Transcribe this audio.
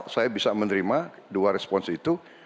saya bisa menerima dua respons itu